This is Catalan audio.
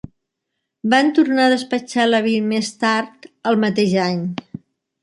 Van tornar a despatxar Labine més tard el mateix any.